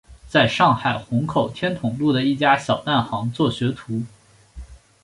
在上海虹口天潼路的一家小蛋行做学徒。